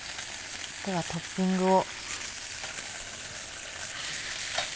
ではトッピングを。